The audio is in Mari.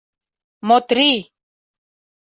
— Мотри!..